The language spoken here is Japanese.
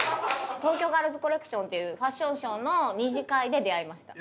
東京ガールズコレクションっていうファッションショーの二次会で出会いました。